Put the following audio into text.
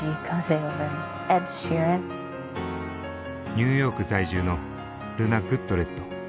ニューヨーク在住のルナ・グッドレット。